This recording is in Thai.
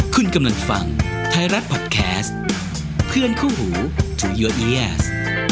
คุณกำลังฟังไทยรัฐพอดแคสต์เพื่อนคู่หูจูโยเอียส